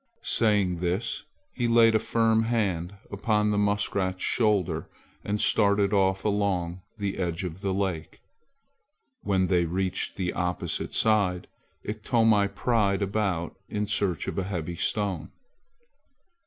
Saying this he laid a firm hand upon the muskrat's shoulder and started off along the edge of the lake. When they reached the opposite side Iktomi pried about in search of a heavy stone.